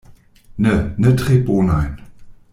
Ne, ne tre bonajn.